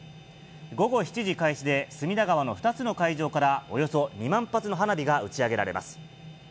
午後７時開始で、隅田川の２つの会場からおよそ２万発の花火が打ち上げられます。